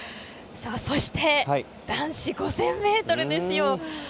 そして、男子５０００ｍですよ。